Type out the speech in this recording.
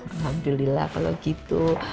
alhamdulillah kalau gitu